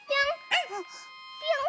ぴょん！